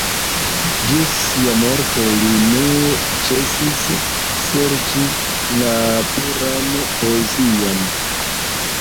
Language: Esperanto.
Ĝis sia morto li ne ĉesis serĉi la puran poezion.